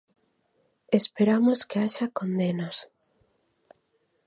Esperamos que haxa condenas.